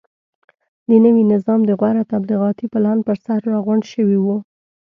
د نوي نظام د غوره تبلیغاتي پلان پرسر راغونډ شوي وو.